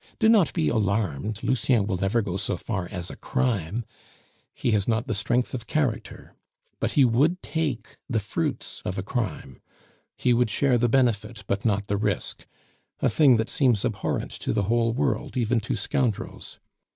Do not be alarmed: Lucien will never go so far as a crime, he has not the strength of character; but he would take the fruits of a crime, he would share the benefit but not the risk a thing that seems abhorrent to the whole world, even to scoundrels.